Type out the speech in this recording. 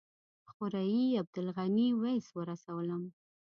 خوريي عبدالغني ویس ورسولم.